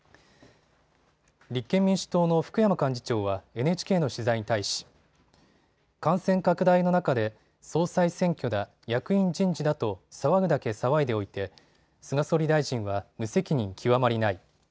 立憲民主党の福山幹事長はＮＨＫの取材に対し感染拡大の中で総裁選挙だ、役員人事だと騒ぐだけ騒いでおいて菅総理大臣は無責任極まりない。